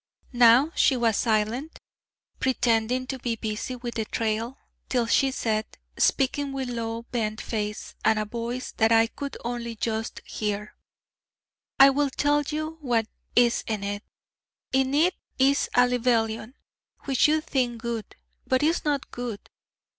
Now she was silent, pretending to be busy with the trail, till she said, speaking with low bent face, and a voice that I could only just hear: 'I will tell you what is in it: in it is a lebellion which you think good, but is not good.